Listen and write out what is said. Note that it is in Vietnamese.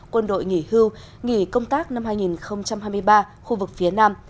quân đội nghỉ hưu nghỉ công tác năm hai nghìn hai mươi ba khu vực phía nam